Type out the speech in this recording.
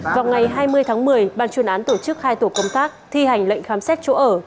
vào ngày hai mươi tháng một mươi ban chuyên án tổ chức hai tổ công tác thi hành lệnh khám xét chỗ ở